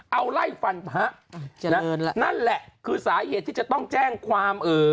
เอาไล่ฟันพระนั่นแหละคือสาเหตุที่จะต้องแจ้งความเอ่อ